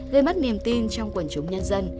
gây mất niềm tin trong quần chúng nhân dân